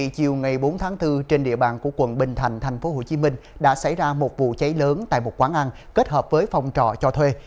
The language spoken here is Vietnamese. chiều ngày bốn tháng bốn trên địa bàn của quận bình thành tp hcm đã xảy ra một vụ cháy lớn tại một quán ăn kết hợp với phòng trọ cho thuê